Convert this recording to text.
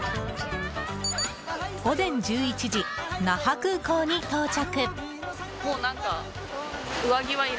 午前１１時、那覇空港に到着。